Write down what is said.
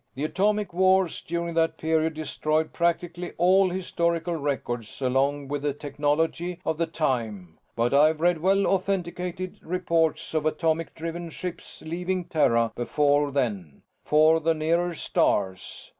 "The atomic wars during that period destroyed practically all historical records along with the technology of the time, but I've read well authenticated reports of atomic driven ships leaving Terra before then for the nearer stars.